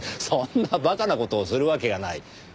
そんな馬鹿な事をするわけがない。